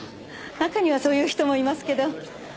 中にはそういう人もいますけど。